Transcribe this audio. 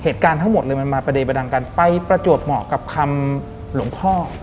เหตุการณ์ทั้งหมดเลยมันมาประเดประดังกันไปประจวบเหมาะกับคำหลวงพ่อ